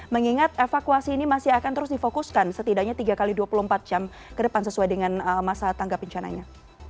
mengingat evakuasi ini masih akan terus difokuskan setidaknya tiga x dua puluh empat jam ke depan sesuai dengan masa tangga pencananya